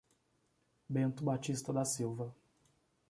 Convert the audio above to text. Bento Batista da Silva